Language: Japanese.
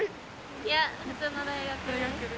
いや普通の大学です。